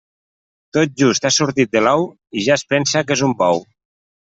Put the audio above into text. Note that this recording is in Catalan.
Tot just ha sortit de l'ou, i ja es pensa que és un bou.